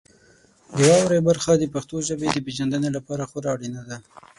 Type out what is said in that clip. د واورئ برخه د پښتو ژبې د پیژندنې لپاره خورا اړینه ده.